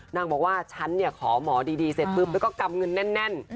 นางบอกว่าฉันขอหมอดีแล้วก็กำเงินแน่น